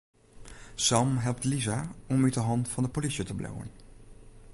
Sam helpt Lisa om út 'e hannen fan de polysje te bliuwen.